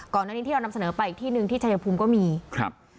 อันนี้ที่เรานำเสนอไปอีกที่หนึ่งที่ชายภูมิก็มีครับ